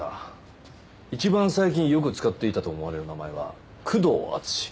一番最近よく使っていたと思われる名前は久遠淳史。